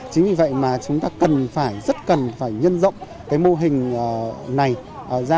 chính vì vậy mà chúng ta cần phải rất cần phải nhân rộng cái mô hình này ra